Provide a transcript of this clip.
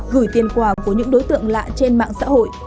gửi tiền quà của những đối tượng lạ trên mạng xã hội